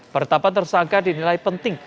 pertapan tersangka dinilai penting